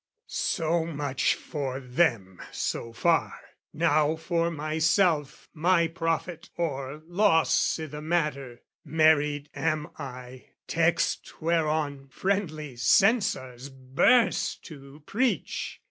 So much for them so far: now for myself, My profit or loss i' the matter: married am I: Text whereon friendly censors burst to preach.